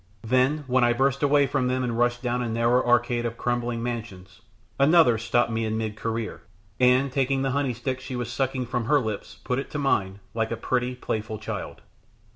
Then, when I burst away from them and rushed down a narrow arcade of crumbling mansions, another stopped me in mid career, and taking the honey stick she was sucking from her lips, put it to mine, like a pretty, playful child.